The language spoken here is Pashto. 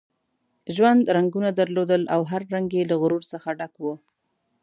ژوند رنګونه درلودل او هر رنګ یې له غرور څخه ډک وو.